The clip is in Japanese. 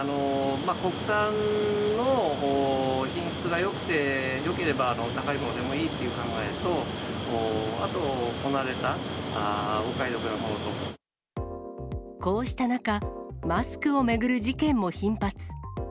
国産の品質よくて、よければ、高いほうでもいいという考えと、こうした中、マスクを巡る事件も頻発。